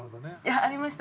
ありました？